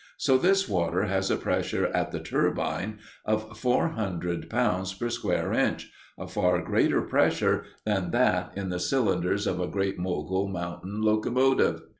So this water has a pressure at the turbine of four hundred pounds per square inch a far greater pressure than that in the cylinders of a great Mogul mountain locomotive.